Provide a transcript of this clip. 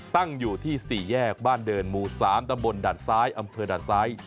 ตั้งอยู่ที่๔แยกบ้านเดินหมู่๓ตำบลด่านซ้ายอำเภอด่านซ้าย